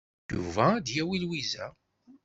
Yuba ad d-yawi Lwiza.